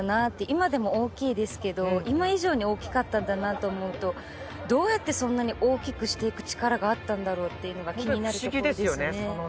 今でも大きいですけど今以上に大きかったんだなと思うとどうやってそんなに大きくしていく力があったんだろうっていうのが気になるところですね